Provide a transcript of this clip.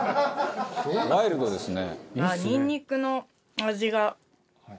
「ワイルドですね」